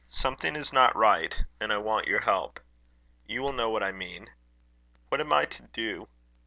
Something is not right, and I want your help. You will know what I mean. What am I to do?